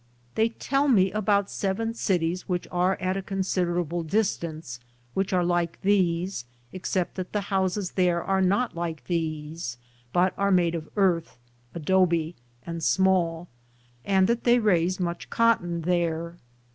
They tell me about seven cities which are at a considerable distance, which are like these, except that the houses there are not like these, hut are made of earth [adobe] , and small, and that they raise much cotton there.